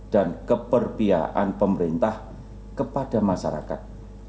dan keperpihakan pemerintah kepada masyarakat